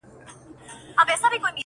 لاسو كې توري دي لاسو كي يې غمى نه دی،